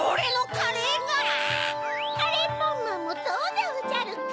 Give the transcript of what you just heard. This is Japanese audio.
カレーパンマンもどうでおじゃるか？